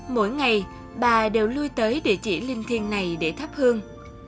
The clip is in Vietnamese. mỗi ngày bà đều lui tới địa chỉ linh thiên này để thắp hương